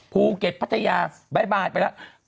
ภูเก็ตพัทยาบ๊ายบายไปแล้ว